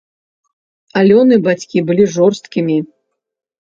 Алёны, бацькі былі жорсткімі.